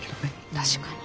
確かに。